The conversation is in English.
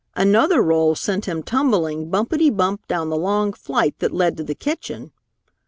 Another roll sent him tumbling bumpety bump down the long flight that led to the kitchen.